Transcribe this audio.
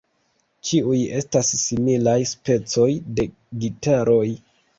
Ĉiuj estas similaj specoj de gitaroj.